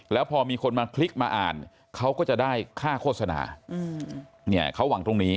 แล้วพอมีคนมาคลิกมาอ่านเขาก็จะได้ค่าโฆษณาเนี่ยเขาหวังตรงนี้